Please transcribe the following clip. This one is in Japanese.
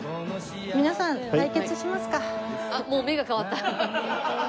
皆さん対決しますか。